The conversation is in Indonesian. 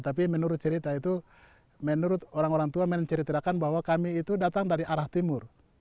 tapi menurut cerita itu menurut orang orang tua menceritakan bahwa kami itu datang dari arah timur